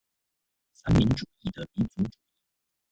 三民主義的民族主義